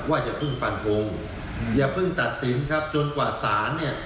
อย่าเพิ่งฟันทงอย่าเพิ่งตัดสินครับจนกว่าศาลเนี่ย